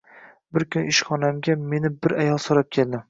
Bir kuni ishxonamga meni bir ayol so`rab keldi